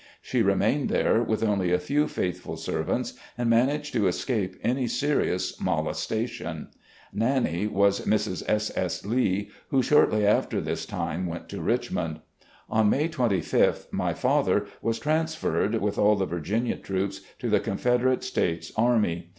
She remained there, •with only a few faithful servants, and managed to escape any serious molestation. " Nannie " was Mrs. S. S. Lee, who shortly after this time went to Richmond. On May 2 Sth my father was transferred, ■with all the Virginia troops, to the Confederate States Army.